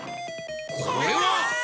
これは！